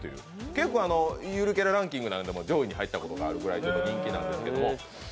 結構、ゆるキャラランキングでも上位に入ったことある人気キャラなんですけど。